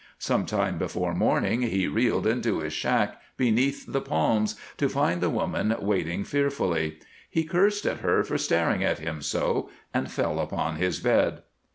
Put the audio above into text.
Some time before morning he reeled into his shack beneath the palms, to find the woman waiting fearfully. He cursed at her for staring at him so, and fell upon his bed.